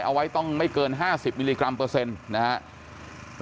เอาไว้ต้องไม่เกินห้าสิบมิลลิกรัมเปอร์เซ็นต์นะฮะ